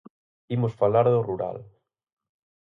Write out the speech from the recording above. Imos falar do rural.